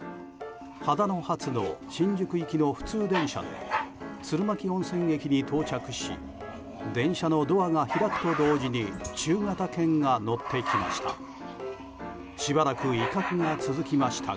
秦野発の新宿行きの普通電車で鶴巻温泉駅に到着し電車のドアが開くと同時に中型犬が乗ってきました。